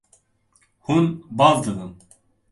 Hûn baz didin.